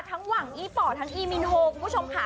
หวังอี้ป่อทั้งอีมินโฮคุณผู้ชมค่ะ